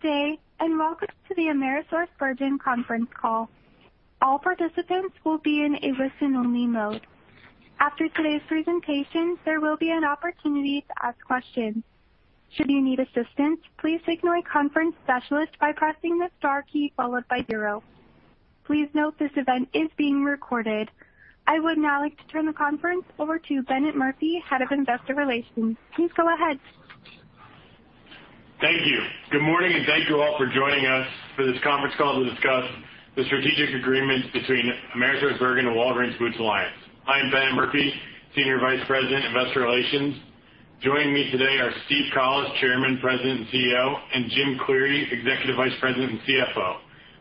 Good day, and welcome to the AmerisourceBergen conference call. All participants will be in a listen-only mode. After today's presentation, there will be an opportunity to ask questions. Should you need assistance, please signal a conference specialist by pressing the star key followed by zero. Please note this event is being recorded. I would now like to turn the conference over to Bennett Murphy, Head of Investor Relations. Please go ahead. Thank you. Good morning, thank you all for joining us for this conference call to discuss the strategic agreement between AmerisourceBergen and Walgreens Boots Alliance. I am Bennett Murphy, Senior Vice President, Investor Relations. Joining me today are Steven Collis, Chairman, President, and CEO, and Jim Cleary, Executive Vice President and CFO.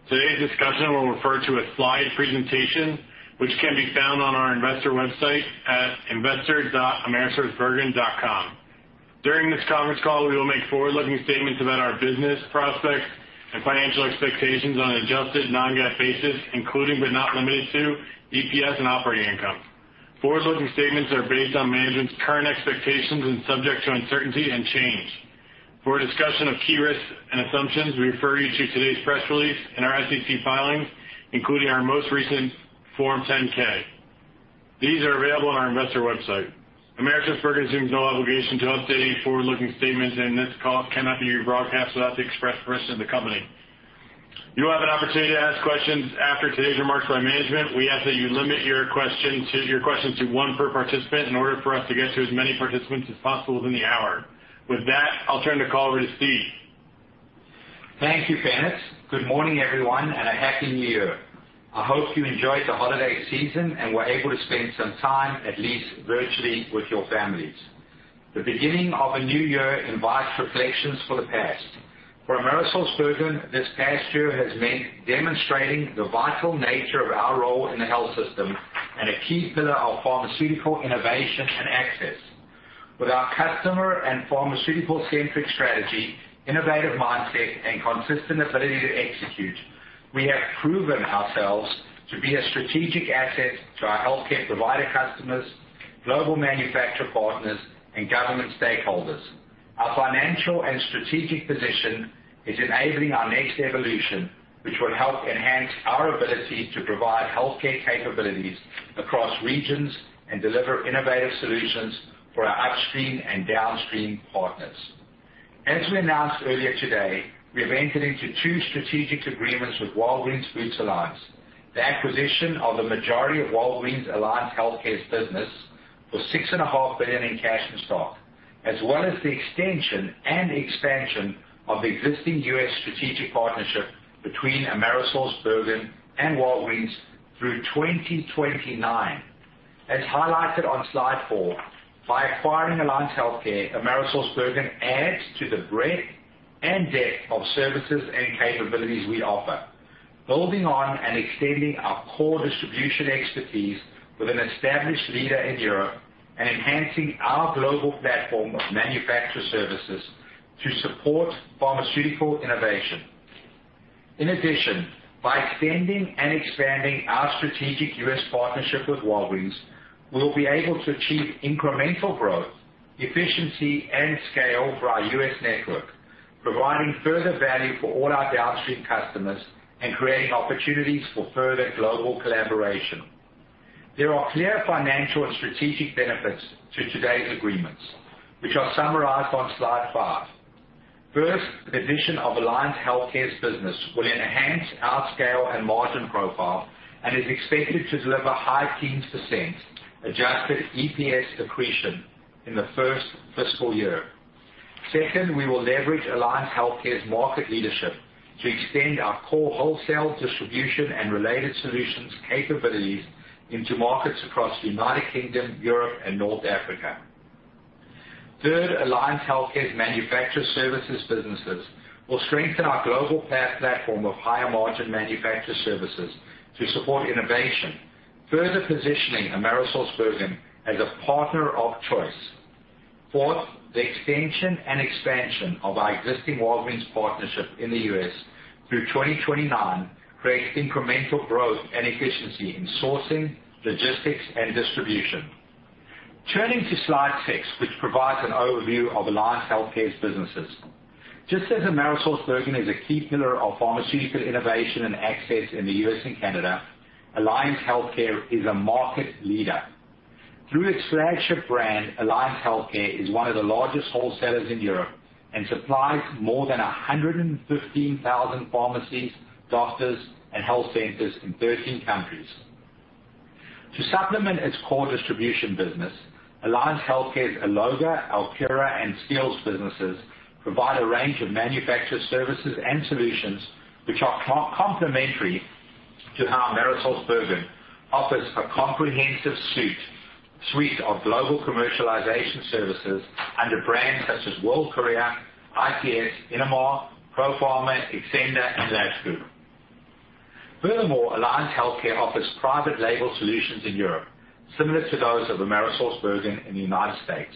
Today's discussion will refer to a slide presentation which can be found on our investor website at investor.amerisourcebergen.com. During this conference call, we will make forward-looking statements about our business prospects and financial expectations on an adjusted non-GAAP basis, including but not limited to EPS and operating income. Forward-looking statements are based on management's current expectations and subject to uncertainty and change. For a discussion of key risks and assumptions, we refer you to today's press release and our SEC filings, including our most recent Form 10-K. These are available on our investor website. AmerisourceBergen assumes no obligation to update any forward-looking statements, and this call cannot be rebroadcast without the express permission of the company. You will have an opportunity to ask questions after today's remarks by management. We ask that you limit your question to one per participant in order for us to get to as many participants as possible within the hour. With that, I'll turn the call over to Steve. Thank you, Bennett. Good morning, everyone, and a happy New Year. I hope you enjoyed the holiday season and were able to spend some time, at least virtually, with your families. The beginning of a new year invites reflections for the past. For AmerisourceBergen, this past year has meant demonstrating the vital nature of our role in the health system and a key pillar of pharmaceutical innovation and access. With our customer and pharmaceutical-centric strategy, innovative mindset, and consistent ability to execute, we have proven ourselves to be a strategic asset to our healthcare provider customers, global manufacturer partners, and government stakeholders. Our financial and strategic position is enabling our next evolution, which will help enhance our ability to provide healthcare capabilities across regions and deliver innovative solutions for our upstream and downstream partners. As we announced earlier today, we have entered into two strategic agreements with Walgreens Boots Alliance, the acquisition of the majority of Walgreens Alliance Healthcare's business for $6.5 billion in cash and stock, as well as the extension and expansion of the existing U.S. strategic partnership between AmerisourceBergen and Walgreens through 2029. As highlighted on slide four, by acquiring Alliance Healthcare, AmerisourceBergen adds to the breadth and depth of services and capabilities we offer, building on and extending our core distribution expertise with an established leader in Europe and enhancing our global platform of manufacturer services to support pharmaceutical innovation. By extending and expanding our strategic U.S. partnership with Walgreens, we'll be able to achieve incremental growth, efficiency, and scale for our U.S. network, providing further value for all our downstream customers and creating opportunities for further global collaboration. There are clear financial and strategic benefits to today's agreements, which are summarized on slide five. First, the addition of Alliance Healthcare's business will enhance our scale and margin profile and is expected to deliver high teens percent adjusted EPS accretion in the first fiscal year. Second, we will leverage Alliance Healthcare's market leadership to extend our core wholesale distribution and related solutions capabilities into markets across the United Kingdom, Europe, and North Africa. Third, Alliance Healthcare's manufacturer services businesses will strengthen our global platform of higher-margin manufacturer services to support innovation, further positioning AmerisourceBergen as a partner of choice. Fourth, the extension and expansion of our existing Walgreens partnership in the U.S. through 2029 creates incremental growth and efficiency in sourcing, logistics, and distribution. Turning to slide six, which provides an overview of Alliance Healthcare's businesses. Just as AmerisourceBergen is a key pillar of pharmaceutical innovation and access in the U.S. and Canada, Alliance Healthcare is a market leader. Through its flagship brand, Alliance Healthcare is one of the largest wholesalers in Europe and supplies more than 115,000 pharmacies, doctors, and health centers in 13 countries. To supplement its core distribution business, Alliance Healthcare's Alloga, Alcura, and Skills businesses provide a range of manufacturer services and solutions which are complementary to how AmerisourceBergen offers a comprehensive suite of Global Commercialization Services under brands such as World Courier, ICS, Innomar, ProPharma, Xcenda, and Lash Group. Furthermore, Alliance Healthcare offers private label solutions in Europe, similar to those of AmerisourceBergen in the United States.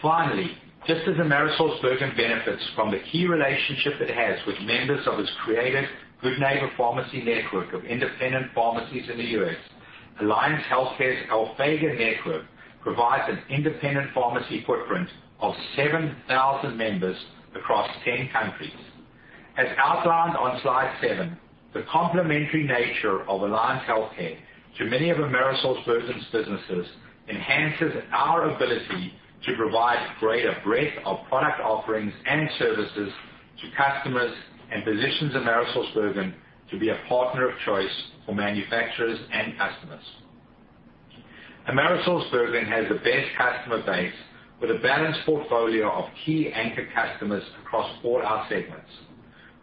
Finally, just as AmerisourceBergen benefits from the key relationship it has with members of its creative Good Neighbor Pharmacy network of independent pharmacies in the U.S., Alliance Healthcare's Alphega network provides an independent pharmacy footprint of 7,000 members across 10 countries. As outlined on slide seven, the complementary nature of Alliance Healthcare to many of AmerisourceBergen's businesses enhances our ability to provide greater breadth of product offerings and services to customers, and positions AmerisourceBergen to be a partner of choice for manufacturers and customers. AmerisourceBergen has a best customer base with a balanced portfolio of key anchor customers across all our segments.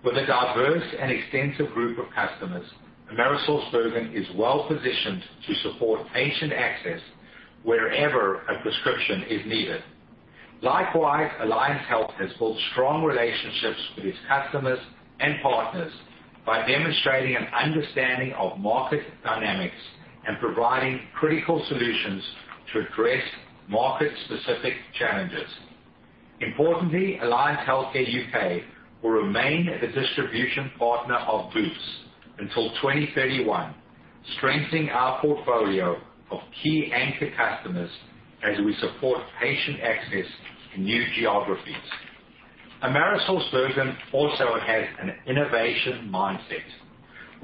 With a diverse and extensive group of customers, AmerisourceBergen is well-positioned to support patient access wherever a prescription is needed. Likewise, Alliance Healthcare has built strong relationships with its customers and partners by demonstrating an understanding of market dynamics and providing critical solutions to address market-specific challenges. Alliance Healthcare U.K. will remain the distribution partner of Boots until 2031, strengthening our portfolio of key anchor customers as we support patient access in new geographies. AmerisourceBergen also has an innovation mindset.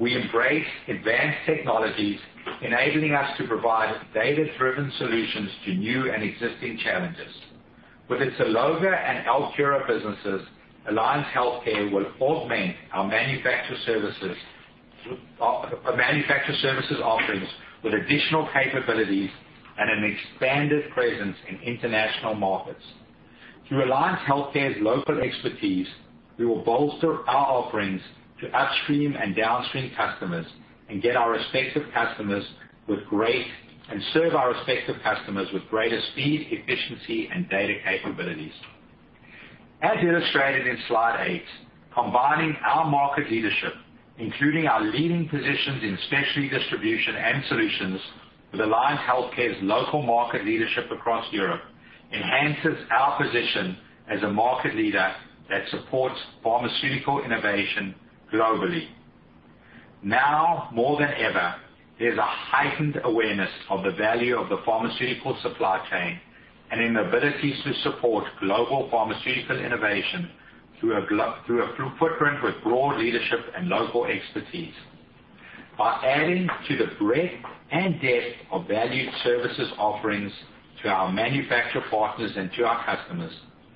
We embrace advanced technologies, enabling us to provide data-driven solutions to new and existing challenges. With its Alloga and Alcura businesses, Alliance Healthcare will augment our [manufacture services] offerings with additional capabilities and an expanded presence in international markets. Through Alliance Healthcare's local expertise, we will bolster our offerings to upstream and downstream customers and serve our respective customers with greater speed, efficiency, and data capabilities. As illustrated in slide eight, combining our market leadership, including our leading positions in specialty distribution and solutions with Alliance Healthcare's local market leadership across Europe, enhances our position as a market leader that supports pharmaceutical innovation globally. Now more than ever, there's a heightened awareness of the value of the pharmaceutical supply chain and in the abilities to support global pharmaceutical innovation through a footprint with broad leadership and local expertise. By adding to the breadth and depth of valued services offerings to our manufacture partners and to our customers,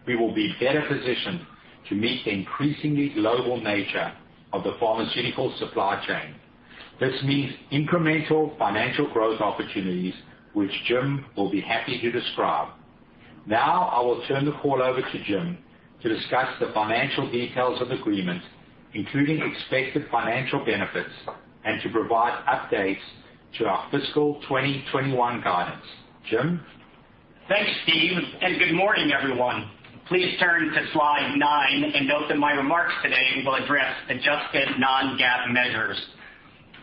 we will be better positioned to meet the increasingly global nature of the pharmaceutical supply chain. This means incremental financial growth opportunities, which Jim will be happy to describe. Now, I will turn the call over to Jim to discuss the financial details of agreement, including expected financial benefits, and to provide updates to our fiscal 2021 guidance. Jim? Thanks, Steve, and good morning, everyone. Please turn to slide nine and note that my remarks today will address adjusted non-GAAP measures.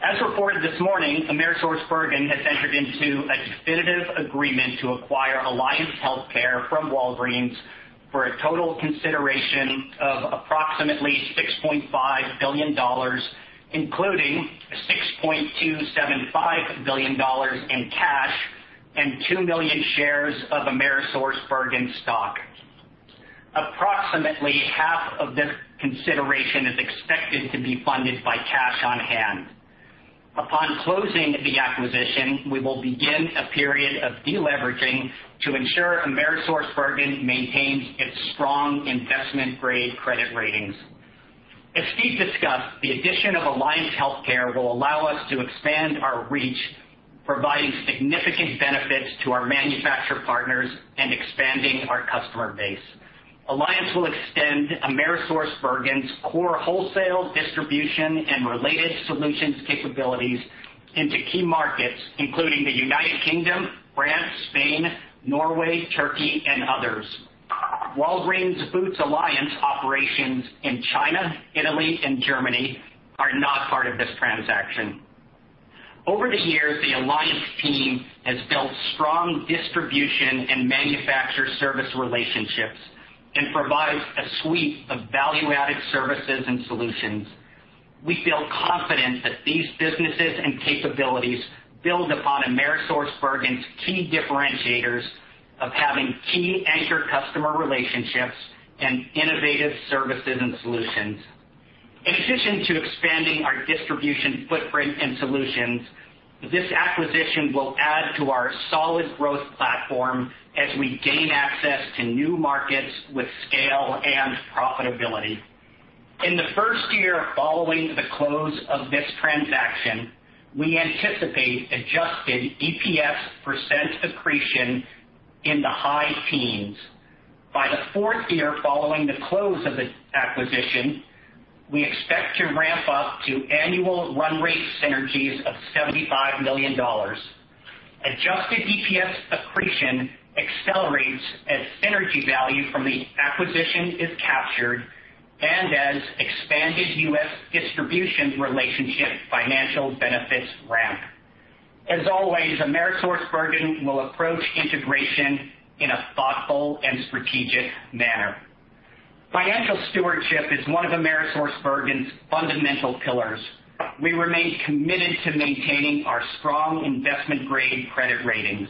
As reported this morning, AmerisourceBergen has entered into a definitive agreement to acquire Alliance Healthcare from Walgreens for a total consideration of approximately $6.5 billion, including $6.275 billion in cash and 2 million shares of AmerisourceBergen stock. Approximately half of this consideration is expected to be funded by cash on hand. Upon closing the acquisition, we will begin a period of deleveraging to ensure AmerisourceBergen maintains its strong investment-grade credit ratings. As Steve discussed, the addition of Alliance Healthcare will allow us to expand our reach, providing significant benefits to our manufacturer partners and expanding our customer base. Alliance will extend AmerisourceBergen's core wholesale distribution and related solutions capabilities into key markets, including the United Kingdom, France, Spain, Norway, Turkey, and others. Walgreens Boots Alliance operations in China, Italy, and Germany are not part of this transaction. Over the years, the Alliance team has built strong distribution and manufacturer service relationships and provides a suite of value-added services and solutions. We feel confident that these businesses and capabilities build upon AmerisourceBergen's key differentiators of having key anchor customer relationships and innovative services and solutions. In addition to expanding our distribution footprint and solutions, this acquisition will add to our solid growth platform as we gain access to new markets with scale and profitability. In the first year following the close of this transaction, we anticipate adjusted EPS percent accretion in the high teens. By the fourth year following the close of the acquisition, we expect to ramp up to annual run rate synergies of $75 million. Adjusted EPS accretion accelerates as synergy value from the acquisition is captured and as expanded U.S. distribution relationship financial benefits ramp. As always, AmerisourceBergen will approach integration in a thoughtful and strategic manner. Financial stewardship is one of AmerisourceBergen's fundamental pillars. We remain committed to maintaining our strong investment-grade credit ratings.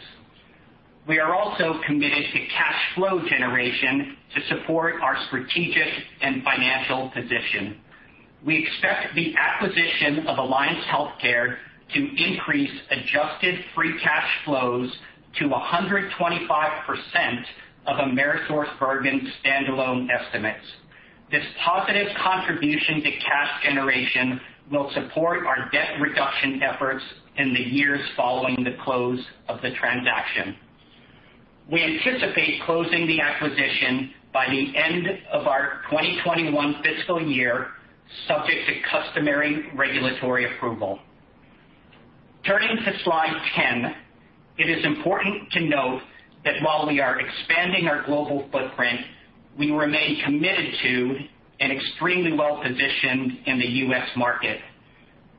We are also committed to cash flow generation to support our strategic and financial position. We expect the acquisition of Alliance Healthcare to increase adjusted free cash flows to 125% of AmerisourceBergen's standalone estimates. This positive contribution to cash generation will support our debt reduction efforts in the years following the close of the transaction. We anticipate closing the acquisition by the end of our 2021 fiscal year, subject to customary regulatory approval. Turning to slide 10, it is important to note that while we are expanding our global footprint, we remain committed to and extremely well-positioned in the U.S. market.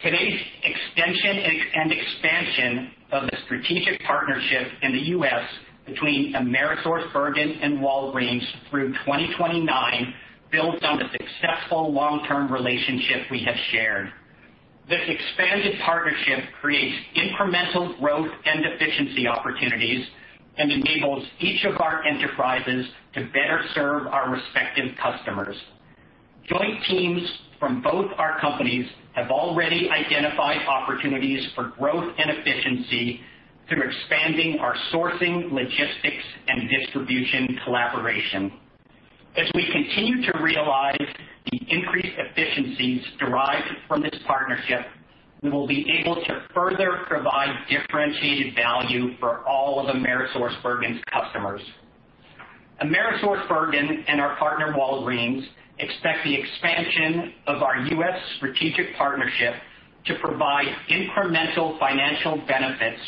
Today's extension and expansion of the strategic partnership in the U.S. between AmerisourceBergen and Walgreens through 2029 builds on the successful long-term relationship we have shared. This expanded partnership creates incremental growth and efficiency opportunities and enables each of our enterprises to better serve our respective customers. Joint teams from both our companies have already identified opportunities for growth and efficiency through expanding our sourcing, logistics, and distribution collaboration. As we continue to realize the increased efficiencies derived from this partnership, we will be able to further provide differentiated value for all of AmerisourceBergen's customers. AmerisourceBergen and our partner, Walgreens, expect the expansion of our U.S. strategic partnership to provide incremental financial benefits,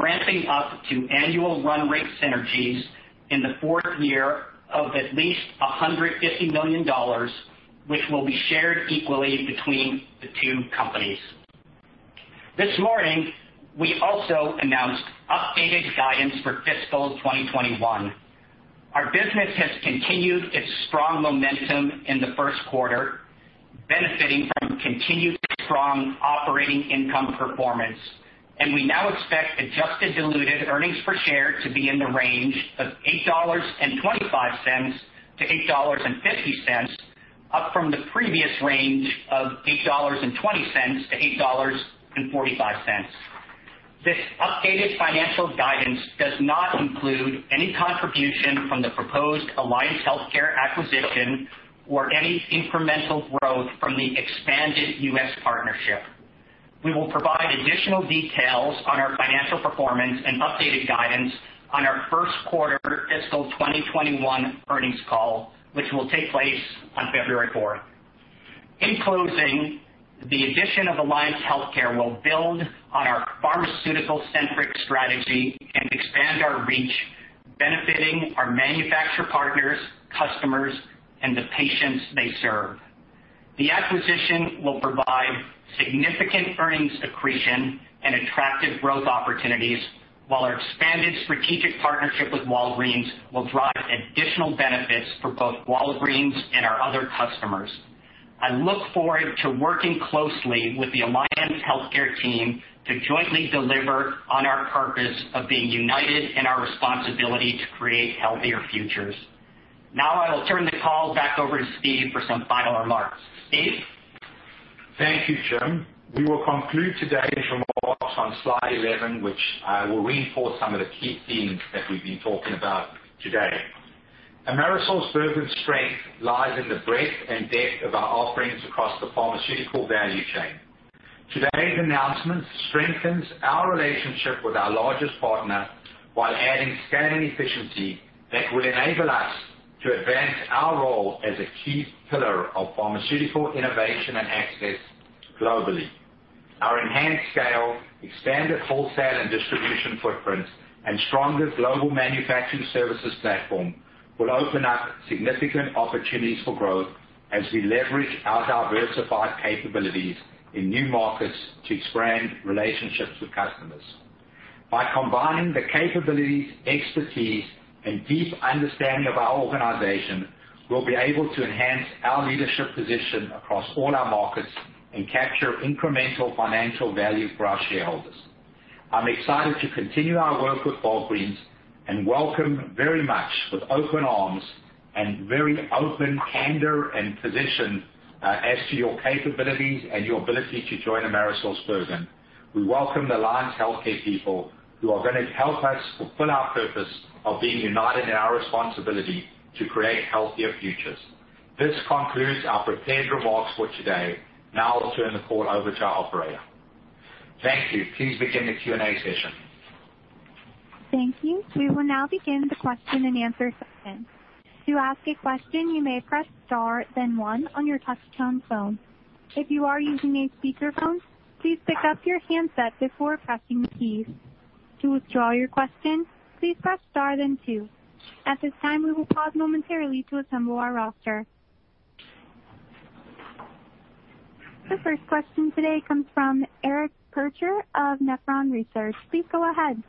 ramping up to annual run rate synergies in the fourth year of at least $150 million, which will be shared equally between the two companies. This morning, we also announced updated guidance for fiscal 2021. Our business has continued its strong momentum in the first quarter, benefiting from continued strong operating income performance. We now expect adjusted diluted earnings per share to be in the range of $8.25-$8.50, up from the previous range of $8.20-$8.45. This updated financial guidance does not include any contribution from the proposed Alliance Healthcare acquisition or any incremental growth from the expanded U.S. partnership. We will provide additional details on our financial performance and updated guidance on our first quarter fiscal 2021 earnings call, which will take place on February 4th. In closing, the addition of Alliance Healthcare will build on our pharmaceutical-centric strategy and expand our reach, benefiting our manufacturer partners, customers, and the patients they serve. The acquisition will provide significant earnings accretion and attractive growth opportunities, while our expanded strategic partnership with Walgreens will drive additional benefits for both Walgreens and our other customers. I look forward to working closely with the Alliance Healthcare team to jointly deliver on our purpose of being united in our responsibility to create healthier futures. Now, I will turn the call back over to Steve for some final remarks. Steve? Thank you, Jim. We will conclude today's remarks on slide 11, which will reinforce some of the key themes that we've been talking about today. AmerisourceBergen's strength lies in the breadth and depth of our offerings across the pharmaceutical value chain. Today's announcement strengthens our relationship with our largest partner while adding scaling efficiency that will enable us to advance our role as a key pillar of pharmaceutical innovation and access globally. Our enhanced scale, expanded wholesale and distribution footprint, and stronger global manufacturing services platform will open up significant opportunities for growth as we leverage our diversified capabilities in new markets to expand relationships with customers. By combining the capabilities, expertise, and deep understanding of our organization, we'll be able to enhance our leadership position across all our markets and capture incremental financial value for our shareholders. I'm excited to continue our work with Walgreens and welcome very much with open arms and very open candor and position as to your capabilities and your ability to join AmerisourceBergen. We welcome Alliance Healthcare people who are going to help us fulfill our purpose of being united in our responsibility to create healthier futures. This concludes our prepared remarks for today. Now I'll turn the call over to our operator. Thank you. Please begin the Q&A session. Thank you. We will now begin the question and answer session. To ask a question, you may press star then one on your touch-tone phone. If you are using a speakerphone, please pick up your handset before pressing the keys. To withdraw your question, please press star then two. At this time, we will pause momentarily to assemble our roster. The first question today comes from Eric Percher of Nephron Research. Please go ahead.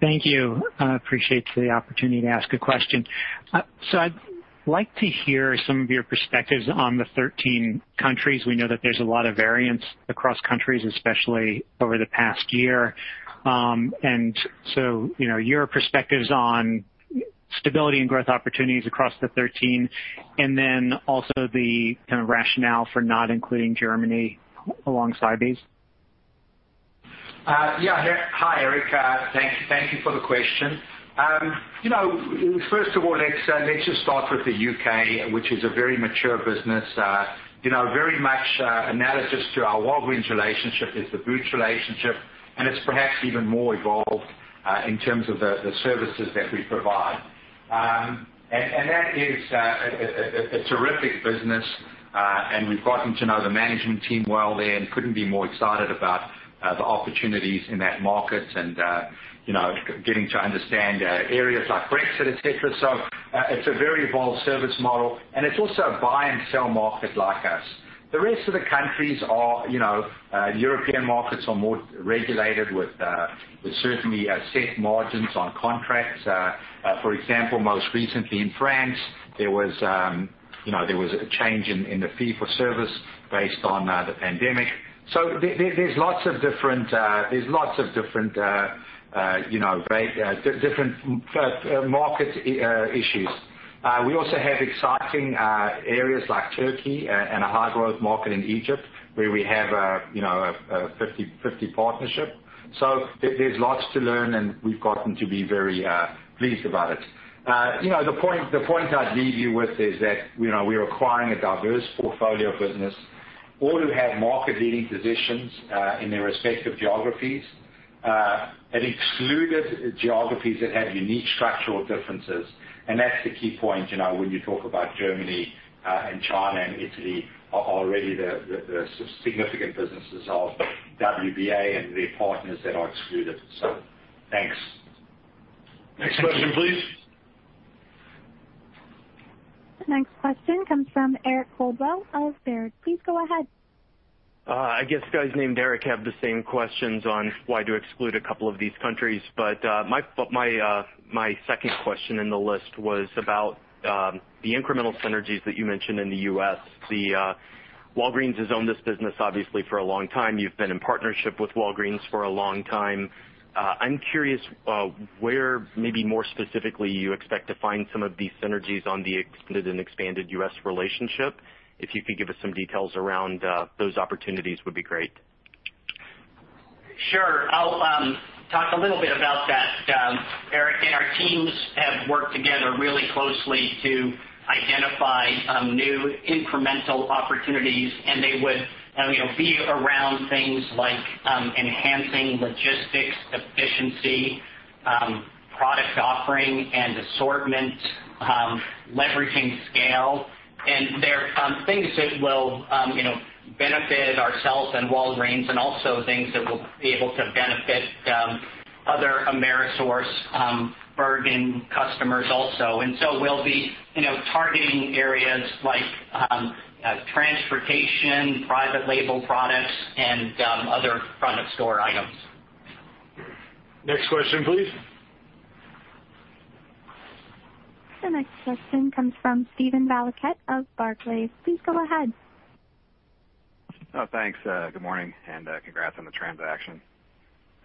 Thank you. I appreciate the opportunity to ask a question. I'd like to hear some of your perspectives on the 13 countries. We know that there's a lot of variance across countries, especially over the past year. Your perspectives on stability and growth opportunities across the 13, and then also the kind of rationale for not including Germany alongside these. Yeah. Hi, Eric. Thank you for the question. First of all, let's just start with the U.K., which is a very mature business. Very much analogous to our Walgreens relationship is the Boots relationship, and it's perhaps even more evolved in terms of the services that we provide. That is a terrific business, and we've gotten to know the management team well there and couldn't be more excited about the opportunities in that market and getting to understand areas like Brexit, et cetera. It's a very evolved service model, and it's also a buy and sell market like us. The rest of the countries are European markets, are more regulated with certainly set margins on contracts. For example, most recently in France, there was a change in the fee for service based on the pandemic. There's lots of different market issues. We also have exciting areas like Turkey and a high-growth market in Egypt where we have a 50/50 partnership. There's lots to learn, and we've gotten to be very pleased about it. The point I'd leave you with is that we're acquiring a diverse portfolio of business, all who have market-leading positions, in their respective geographies, have excluded geographies that have unique structural differences. That's the key point, when you talk about Germany and China and Italy are already the significant businesses of WBA and their partners that are excluded. Thanks. Next question, please. The next question comes from Eric Coldwell of Baird. Please go ahead. I guess guys named Eric have the same questions on why to exclude a couple of these countries. My second question in the list was about the incremental synergies that you mentioned in the U.S. Walgreens has owned this business, obviously, for a long time. You've been in partnership with Walgreens for a long time. I'm curious where maybe more specifically you expect to find some of these synergies on the expanded U.S. relationship. If you could give us some details around those opportunities would be great. Sure. I'll talk a little bit about that, Eric. Our teams have worked together really closely to identify new incremental opportunities. They would be around things like enhancing logistics efficiency, product offering and assortment, leveraging scale. They're things that will benefit ourselves and Walgreens and also things that will be able to benefit other AmerisourceBergen customers also. We'll be targeting areas like transportation, private label products, and other front of store items. Next question, please. The next question comes from Steven Valiquette of Barclays. Please go ahead. Oh, thanks. Good morning, and congrats on the transaction.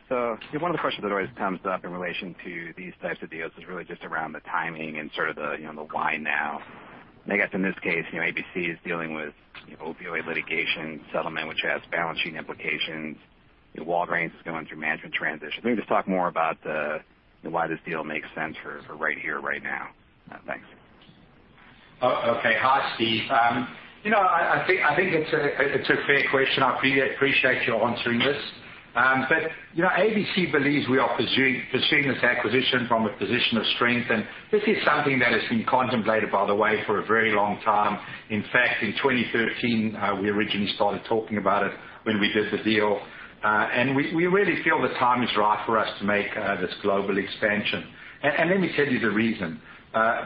One of the questions that always comes up in relation to these types of deals is really just around the timing and sort of the why now. I guess in this case, ABC is dealing with opioid litigation settlement, which has balance sheet implications. Walgreens is going through management transition. Maybe just talk more about the why this deal makes sense for right here, right now. Thanks. Okay. Hi, Steve. I think it's a fair question. I appreciate you answering this. ABC believes we are pursuing this acquisition from a position of strength, and this is something that has been contemplated, by the way, for a very long time. In fact, in 2013, we originally started talking about it when we did the deal. We really feel the time is right for us to make this global expansion. Let me tell you the reason.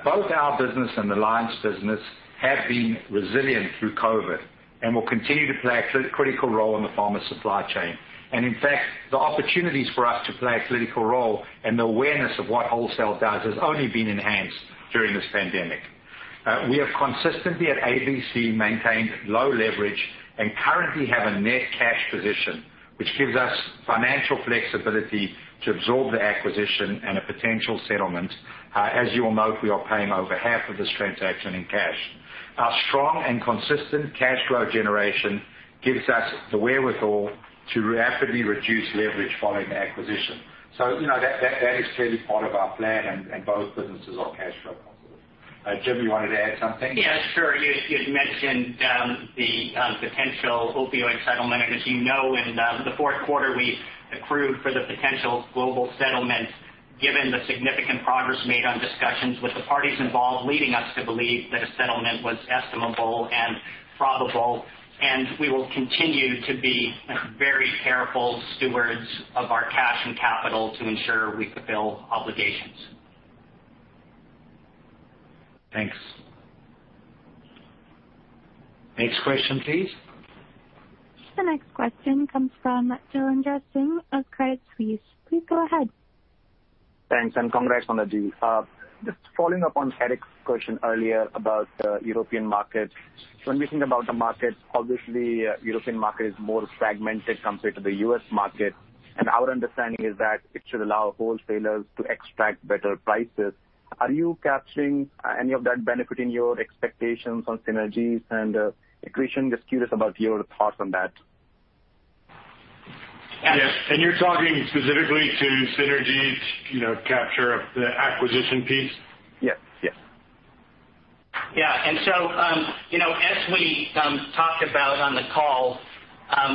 Both our business and Alliance business have been resilient through COVID and will continue to play a critical role in the pharma supply chain. In fact, the opportunities for us to play a critical role and the awareness of what wholesale does has only been enhanced during this pandemic. We have consistently at ABC maintained low leverage and currently have a net cash position, which gives us financial flexibility to absorb the acquisition and a potential settlement. As you will note, we are paying over half of this transaction in cash. Our strong and consistent cash flow generation gives us the wherewithal to rapidly reduce leverage following the acquisition. That is clearly part of our plan, and both businesses are cash flow positive. Jim, you wanted to add something? Yeah, sure. You had mentioned the potential opioid settlement, and as you know, in the fourth quarter, we accrued for the potential global settlement, given the significant progress made on discussions with the parties involved, leading us to believe that a settlement was estimable and probable, and we will continue to be very careful stewards of our cash and capital to ensure we fulfill obligations. Thanks. Next question, please. The next question comes from Jailendra Singh of Credit Suisse. Please go ahead. Thanks. Congrats on the deal. Just following up on Eric's question earlier about the European market. When we think about the market, obviously European market is more fragmented compared to the U.S. market, and our understanding is that it should allow wholesalers to extract better prices. Are you capturing any of that benefit in your expectations on synergies and accretion? Just curious about your thoughts on that. Yes. You're talking specifically to synergies, capture of the acquisition piece? Yes. As we talked about on the call,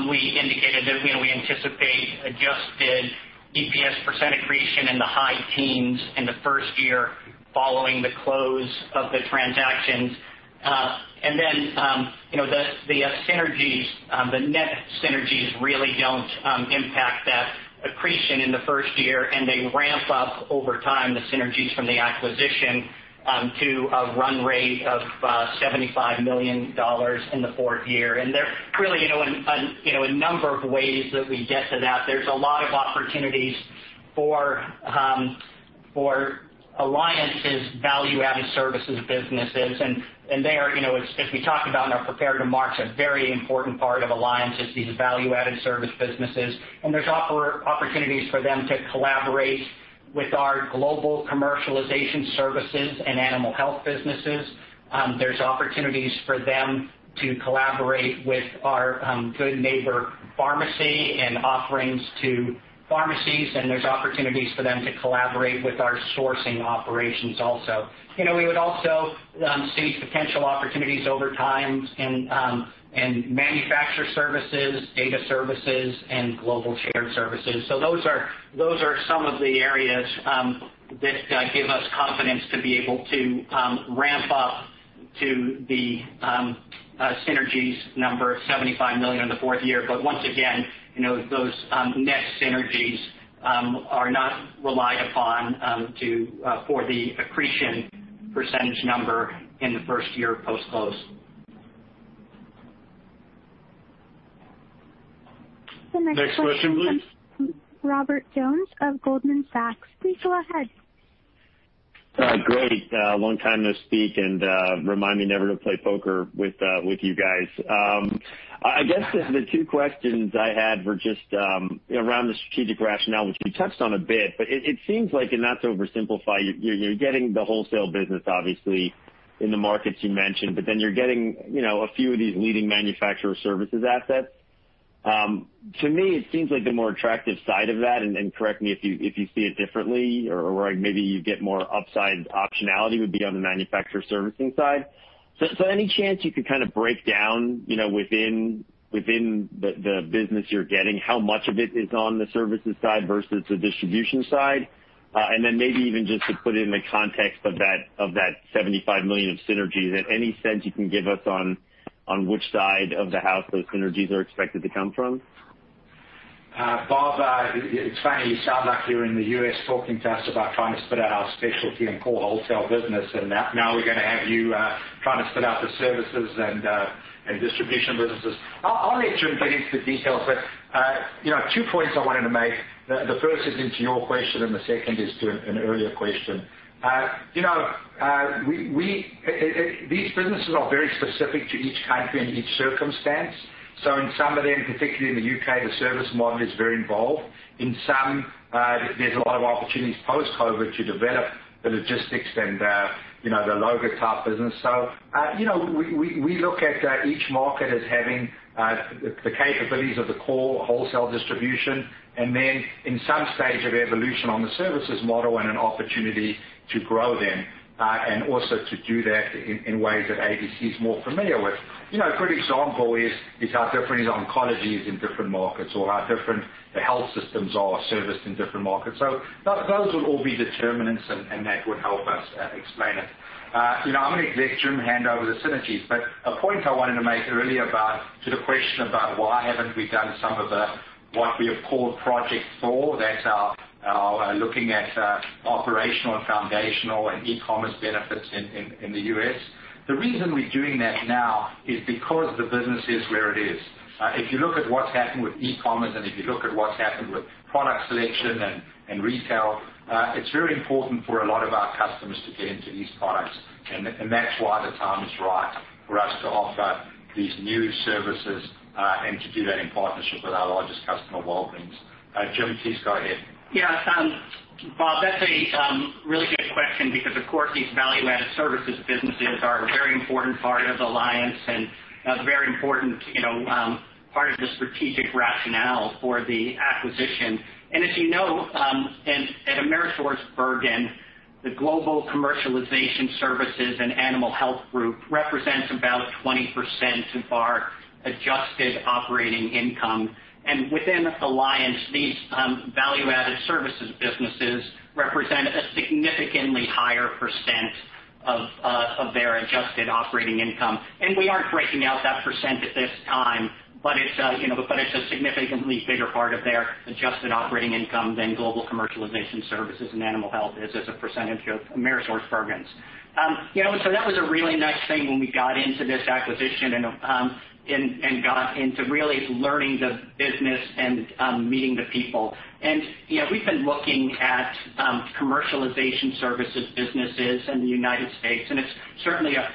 we indicated that we anticipate adjusted EPS percent accretion in the high teens in the first year following the close of the transactions. The net synergies really don't impact that accretion in the first year, and they ramp up over time, the synergies from the acquisition, to a run rate of $75 million in the fourth year. There are really a number of ways that we get to that. There's a lot of opportunities for Alliance's value-added services businesses. They are, as we talked about in our prepared remarks, a very important part of Alliance is these value-added service businesses. There's opportunities for them to collaborate with our Global Commercialization Services and Animal Health businesses. There's opportunities for them to collaborate with our Good Neighbor Pharmacy and offerings to pharmacies, and there's opportunities for them to collaborate with our sourcing operations also. We would also see potential opportunities over time in manufacture services, data services, and global shared services. Those are some of the areas that give us confidence to be able to ramp up to the synergies number, $75 million in the fourth year. Once again, those net synergies are not relied upon for the accretion percentage number in the first year post-close. The next question. Next question, please. comes from Robert Jones of Goldman Sachs. Please go ahead. Great. Long time no speak. Remind me never to play poker with you guys. I guess the two questions I had were just around the strategic rationale, which we touched on a bit. It seems like, and not to oversimplify, you're getting the wholesale business obviously in the markets you mentioned, but then you're getting a few of these leading manufacturer services assets. To me, it seems like the more attractive side of that, and correct me if you see it differently or maybe you get more upside optionality, would be on the manufacturer servicing side. Any chance you could break down within the business you're getting, how much of it is on the services side versus the distribution side? Maybe even just to put it in the context of that $75 million of synergies, any sense you can give us on which side of the house those synergies are expected to come from? Bob, it's funny you sound like you're in the U.S. talking to us about trying to split out our specialty and core wholesale business. Now we're going to have you trying to split out the services and distribution businesses. I'll let Jim get into the details, but two points I wanted to make. The first is into your question. The second is to an earlier question. These businesses are very specific to each country and each circumstance. In some of them, particularly in the U.K., the service model is very involved. In some, there's a lot of opportunities post-COVID to develop the logistics and the Alloga type business. We look at each market as having the capabilities of the core wholesale distribution and then in some stage of evolution on the services model and an opportunity to grow them, and also to do that in ways that ABC is more familiar with. A good example is, how different is oncology is in different markets or how different the health systems are serviced in different markets. Those would all be determinants, and that would help us explain it. I'm going to let Jim hand over the synergies. A point I wanted to make earlier about, to the question about why haven't we done some of the what we have called Project Thor, that's our looking at operational and foundational and e-commerce benefits in the U.S. The reason we're doing that now is because the business is where it is. If you look at what's happened with e-commerce and if you look at what's happened with product selection and retail, it's very important for a lot of our customers to get into these products. That's why the time is right for us to offer these new services, and to do that in partnership with our largest customer, Walgreens. Jim, please go ahead. Yeah, Bob, that's a really good question because, of course, these value-added services businesses are a very important part of Alliance and a very important part of the strategic rationale for the acquisition. As you know, at AmerisourceBergen, the Global Commercialization Services and Animal Health group represents about 20% of our adjusted operating income. Within Alliance, these value-added services businesses represent a significantly higher percent of their adjusted operating income. We aren't breaking out that percent at this time, but it's a significantly bigger part of their adjusted operating income than Global Commercialization Services and Animal Health is as a percentage of AmerisourceBergen's. That was a really nice thing when we got into this acquisition and got into really learning the business and meeting the people. We've been looking at commercialization services businesses in the United States, and it's certainly a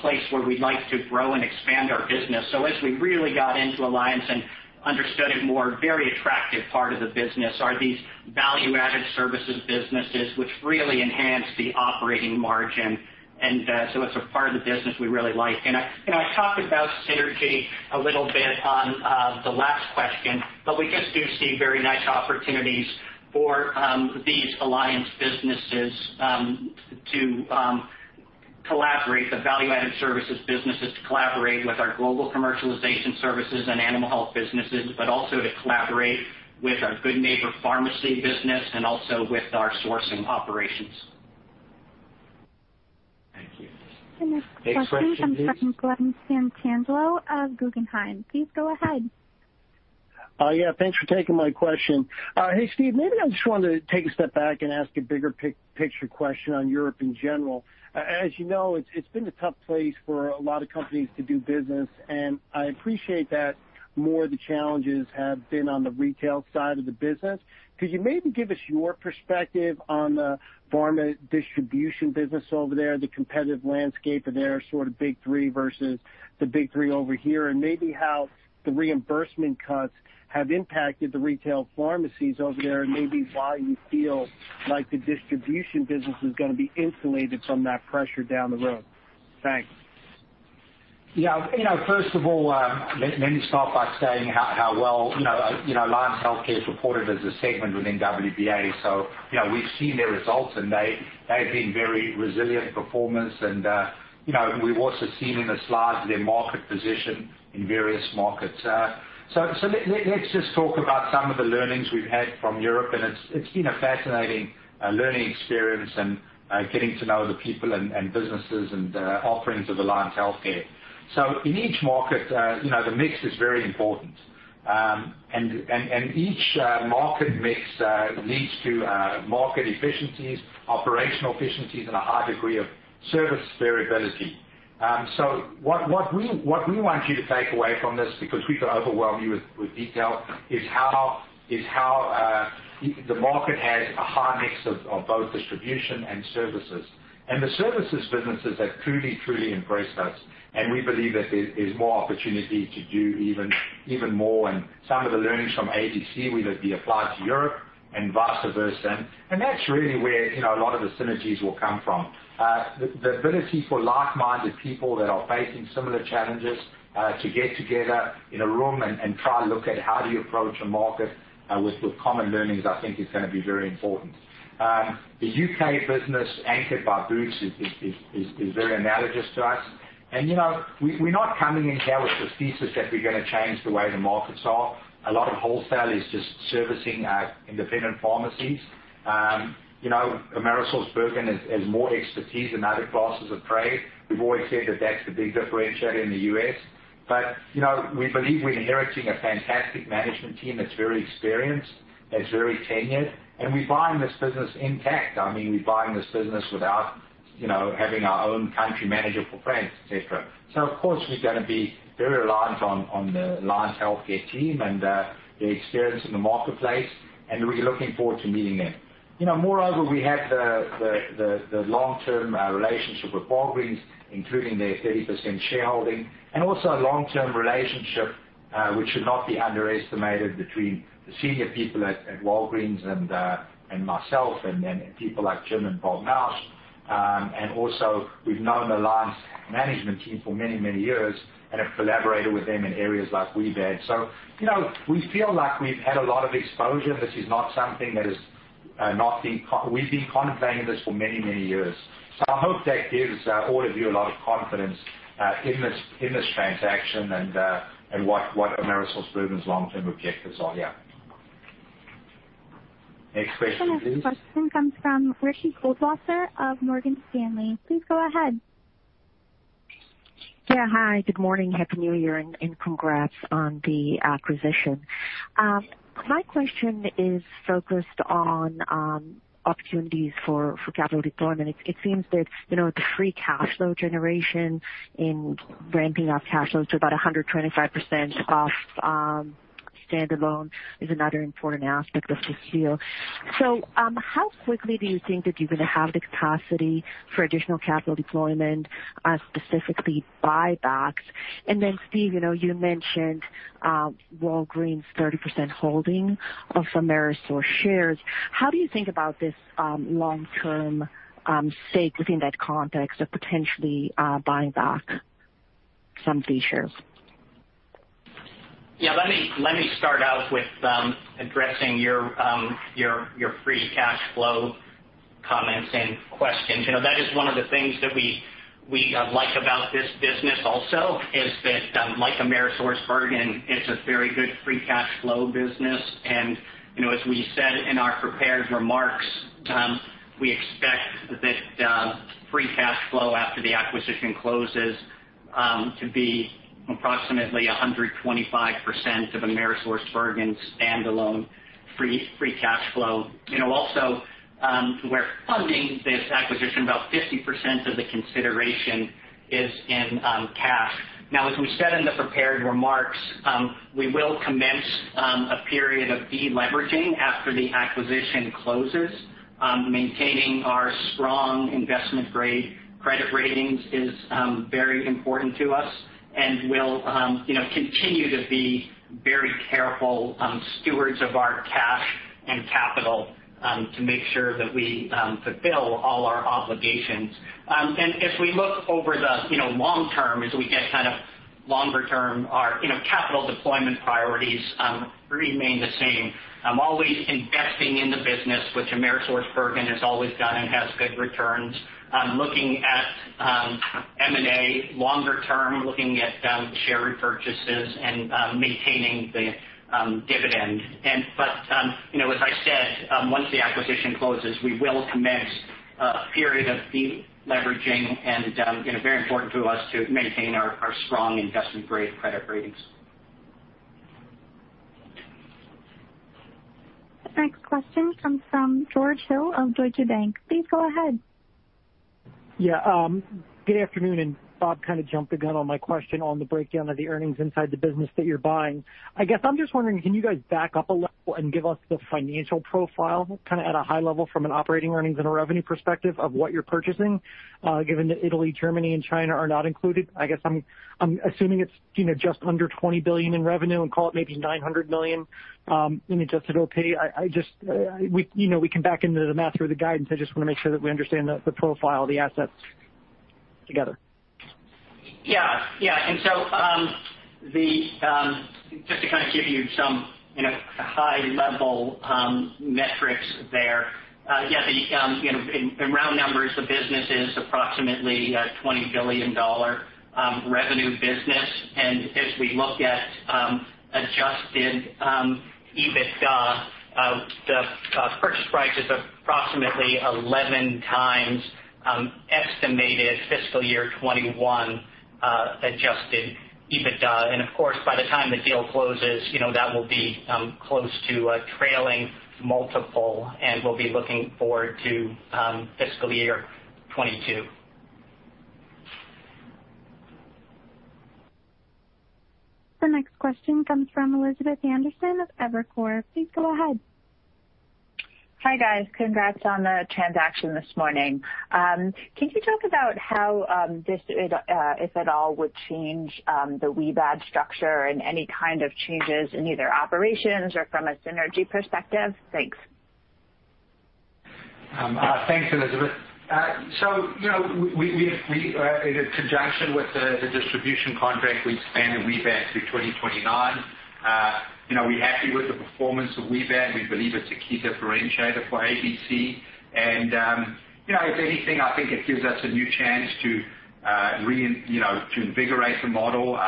place where we'd like to grow and expand our business. As we really got into Alliance and understood it more, very attractive part of the business are these value-added services businesses which really enhance the operating margin. It's a part of the business we really like. I talked about synergy a little bit on the last question, but we just do see very nice opportunities for these Alliance businesses to collaborate, the value-added services businesses to collaborate with our Global Commercialization Services and Animal Health businesses, but also to collaborate with our Good Neighbor Pharmacy business and also with our sourcing operations. Thank you. The next question comes from Glen Santangelo of Guggenheim. Please go ahead. Yeah. Thanks for taking my question. Hey, Steve, maybe I just wanted to take a step back and ask a bigger picture question on Europe in general. As you know, it's been a tough place for a lot of companies to do business, and I appreciate that more of the challenges have been on the retail side of the business. Could you maybe give us your perspective on the pharma distribution business over there, the competitive landscape and their sort of big three versus the big three over here, and maybe how the reimbursement cuts have impacted the retail pharmacies over there, and maybe why you feel like the distribution business is going to be insulated from that pressure down the road? Thanks. Yeah. First of all, let me start by saying how well Alliance Healthcare supported as a segment within WBA. We've seen their results, and they've been very resilient performance, and we've also seen in the slides their market position in various markets. Let's just talk about some of the learnings we've had from Europe, and it's been a fascinating learning experience and getting to know the people and businesses and the offerings of Alliance Healthcare. In each market, the mix is very important. Each market mix leads to market efficiencies, operational efficiencies, and a high degree of service variability. What we want you to take away from this, because we could overwhelm you with detail, is how the market has a high mix of both distribution and services. The services businesses have truly impressed us, and we believe that there is more opportunity to do even more, and some of the learnings from ABC will be applied to Europe and vice versa. That's really where a lot of the synergies will come from. The ability for like-minded people that are facing similar challenges to get together in a room and try and look at how do you approach a market with common learnings, I think is going to be very important. The U.K. business, anchored by Boots, is very analogous to us. We're not coming in here with this thesis that we're going to change the way the markets are. A lot of wholesale is just servicing independent pharmacies. AmerisourceBergen has more expertise in other classes of trade. We've always said that that's the big differentiator in the U.S. We believe we're inheriting a fantastic management team that's very experienced, that's very tenured, and we're buying this business intact. We're buying this business without having our own country manager for France, et cetera. Of course, we're going to be very reliant on the Alliance Healthcare team and their experience in the marketplace, and we're looking forward to meeting them. Moreover, we have the long-term relationship with Walgreens, including their 30% shareholding, and also a long-term relationship, which should not be underestimated between the senior people at Walgreens and myself and then people like Jim and Bob Mauch. We've known Alliance management team for many, many years and have collaborated with them in areas like WBAD. We feel like we've had a lot of exposure. This is not something that we've been contemplating this for many, many years. I hope that gives all of you a lot of confidence in this transaction and what AmerisourceBergen's long-term objectives are. Yeah. Next question, please. The next question comes from Ricky Goldwasser of Morgan Stanley. Please go ahead. Yeah. Hi, good morning. Happy New Year. Congrats on the acquisition. My question is focused on opportunities for capital deployment. It seems that the free cash flow generation in ramping up cash flow to about 125% of standalone is another important aspect of this deal. How quickly do you think that you're going to have the capacity for additional capital deployment, specifically buybacks? Steve, you mentioned Walgreens' 30% holding of Amerisource shares. How do you think about this long-term stake within that context of potentially buying back some of these shares? Yeah, let me start out with addressing your free cash flow comments and questions. That is one of the things that we like about this business also, is that, like AmerisourceBergen, it's a very good free cash flow business. As we said in our prepared remarks, we expect that free cash flow after the acquisition closes, to be approximately 125% of AmerisourceBergen's standalone free cash flow. Also, we're funding this acquisition, about 50% of the consideration is in cash. Now, as we said in the prepared remarks, we will commence a period of de-leveraging after the acquisition closes. Maintaining our strong investment-grade credit ratings is very important to us, and we'll continue to be very careful stewards of our cash and capital to make sure that we fulfill all our obligations. As we look over the long term, as we get longer term, our capital deployment priorities remain the same. Always investing in the business, which AmerisourceBergen has always done and has good returns. Looking at M&A longer term, looking at share repurchases, and maintaining the dividend. As I said, once the acquisition closes, we will commence a period of de-leveraging, and very important to us to maintain our strong investment-grade credit ratings. The next question comes from George Hill of Deutsche Bank. Please go ahead. Yeah, good afternoon, Bob kind of jumped the gun on my question on the breakdown of the earnings inside the business that you're buying. I guess I'm just wondering, can you guys back up a level and give us the financial profile at a high level from an operating earnings and a revenue perspective of what you're purchasing, given that Italy, Germany, and China are not included? I guess I'm assuming it's just under $20 billion in revenue and call it maybe $900 million in adjusted OP. We can back into the math or the guidance. I just want to make sure that we understand the profile of the assets together. Yeah. Just to give you some high-level metrics there. Yeah, in round numbers, the business is approximately a $20 billion revenue business. As we look at adjusted EBITDA, the purchase price is approximately 11x estimated fiscal year 2021 adjusted EBITDA. Of course, by the time the deal closes, that will be close to a trailing multiple, and we'll be looking forward to fiscal year 2022. The next question comes from Elizabeth Anderson of Evercore. Please go ahead. Hi, guys. Congrats on the transaction this morning. Can you talk about how this, if at all, would change the WBAD structure and any kind of changes in either operations or from a synergy perspective? Thanks. Thanks, Elizabeth. In conjunction with the distribution contract, we expanded WBAD through 2029. We're happy with the performance of WBAD. We believe it's a key differentiator for ABC. If anything, I think it gives us a new chance to invigorate the model.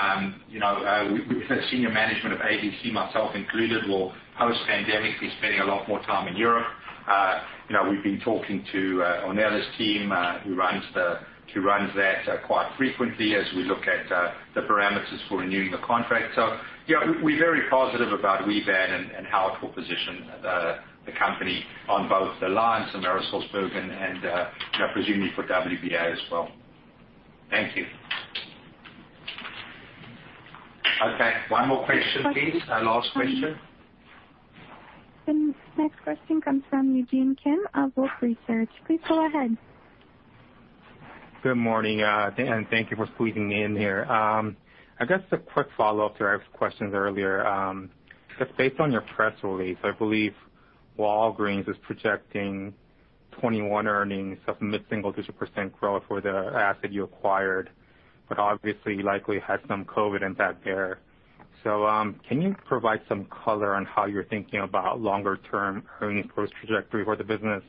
We've had senior management of ABC, myself included, will post-pandemically spending a lot more time in Europe. We've been talking to Ornella's team, who runs that quite frequently as we look at the parameters for renewing the contract. We're very positive about WBAD and how it will position the company on both Alliance, AmerisourceBergen, and presumably for WBA as well. Thank you. Okay, one more question, please. Our last question. The next question comes from Eugene Kim of Wolfe Research. Please go ahead. Good morning, thank you for squeezing me in here. I guess a quick follow-up to our questions earlier. Just based on your press release, I believe Walgreens is projecting 2021 earnings of mid-single-digit percent growth for the asset you acquired, but obviously likely had some COVID impact there. Can you provide some color on how you're thinking about longer-term earnings growth trajectory for the business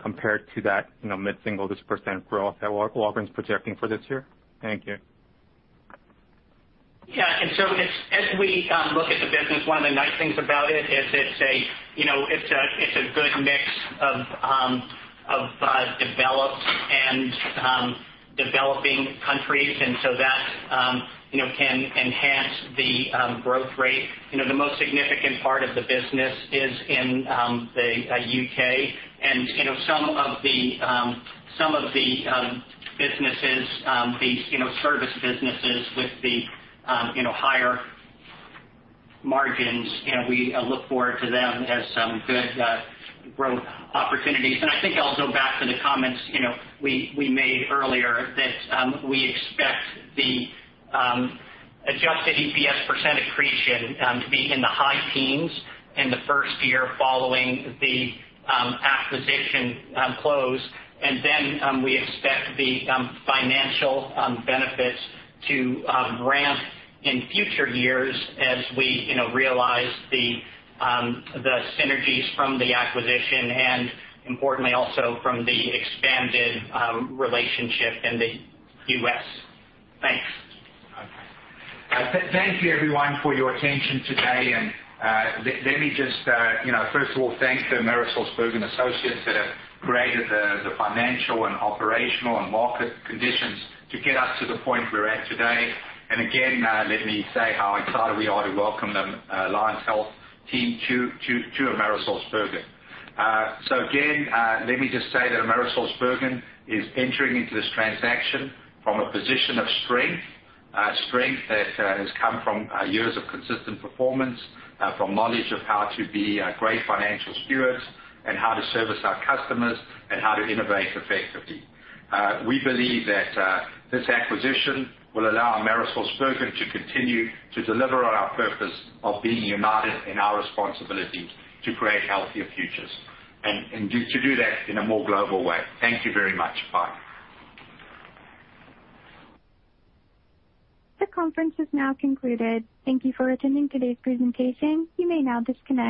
compared to that mid-single-digit percent growth that Walgreens is projecting for this year? Thank you. Yeah. As we look at the business, one of the nice things about it is it's a good mix of developed and developing countries, so that can enhance the growth rate. The most significant part of the business is in the U.K. Some of the businesses, the service businesses with the higher margins, we look forward to them as some good growth opportunities. I think I'll go back to the comments we made earlier that we expect the adjusted EPS percent accretion to be in the high teens in the first year following the acquisition close, then we expect the financial benefits to ramp in future years as we realize the synergies from the acquisition and importantly also from the expanded relationship in the U.S. Thanks. Okay. Thank you, everyone, for your attention today. Let me just, first of all, thank the AmerisourceBergen associates that have created the financial and operational and market conditions to get us to the point we're at today. Again, let me say how excited we are to welcome the Alliance Healthcare team to AmerisourceBergen. Again, let me just say that AmerisourceBergen is entering into this transaction from a position of strength. Strength that has come from years of consistent performance, from knowledge of how to be a great financial steward, and how to service our customers, and how to innovate effectively. We believe that this acquisition will allow AmerisourceBergen to continue to deliver on our purpose of being united in our responsibility to create healthier futures, and to do that in a more global way. Thank you very much. Bye. This conference is now concluded. Thank you for attending today's presentation. You may now disconnect.